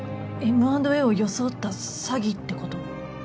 Ｍ＆Ａを装った詐欺ってこと？